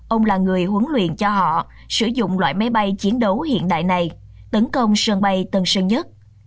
ông là người huấn luyện cho họ sử dụng loại máy bay chiến đấu hiện đại này tấn công sân bay tân sơn nhất